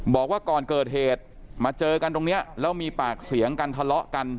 บอกว่าก่อนเกิดเหตุมาเจอกันตรงนี้แล้วมีปากเสียงกันทะเลาะกัน